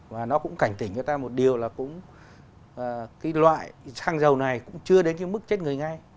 và nó cũng cảnh tỉnh cho ta một điều là cũng cái loại xăng dầu này cũng chưa đến cái mức chết người ngay